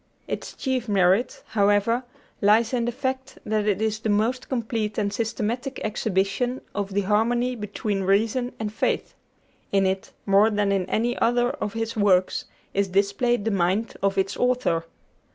Its chief merit, however, lies in the fact that it is the most complete and systematic exhibition of the harmony between reason and faith. In it, more than in any other of his works, is displayed the mind of its author.